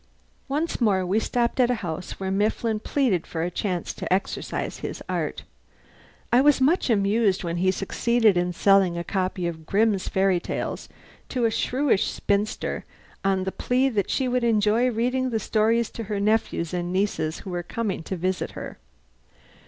Once more we stopped at a house where Mifflin pleaded for a chance to exercise his art. I was much amused when he succeeded in selling a copy of "Grimm's Fairy Tales" to a shrewish spinster on the plea that she would enjoy reading the stories to her nephews and nieces who were coming to visit her.